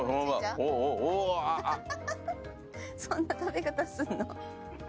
そんな食べ方すんの？